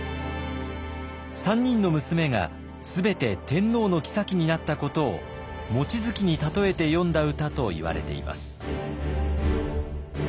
３人の娘が全て天皇の后になったことを望月に例えて詠んだ歌といわれています。